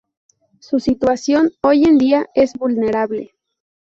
Su situación, hoy en día, es vulnerable.